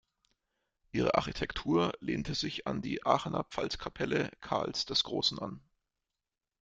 Ihre Architektur lehnte sich an die Aachener Pfalzkapelle Karls des Großen an.